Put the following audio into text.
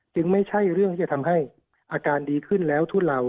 ไม่ใช่เรื่องที่จะทำให้อาการดีขึ้นแล้วทุเลา